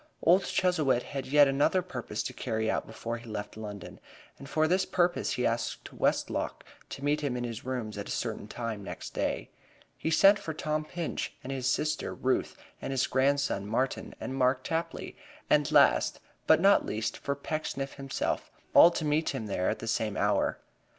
Old Chuzzlewit had yet another purpose to carry out before he left London, and for this purpose he asked Westlock to meet him in his rooms at a certain time next day. He sent for Tom Pinch and his sister Ruth, for his grandson Martin, and Mark Tapley, and last, but not least, for Pecksniff himself, all to meet him there at the same hour.